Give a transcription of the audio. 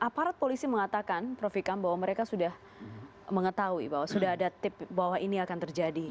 aparat polisi mengatakan prof ikam bahwa mereka sudah mengetahui bahwa sudah ada tips bahwa ini akan terjadi